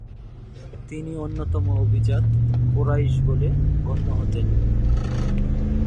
তিনি অন্যতম অভিজাত কুরাইশ বলে গণ্য হতেন।